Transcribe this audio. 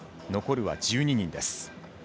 残るは１２人です。